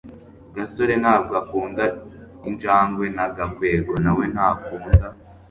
gasore ntabwo akunda injangwe na gakwego nawe ntakunda